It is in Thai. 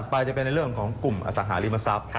ไปจะเป็นในเรื่องของกลุ่มอสังหาริมทรัพย์